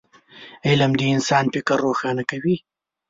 علم د انسان فکر روښانه کوي